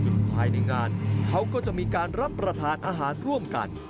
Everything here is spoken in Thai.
ซึ่งภายในงานเขาก็จะมีการรับประทานอาหารร่วมกัน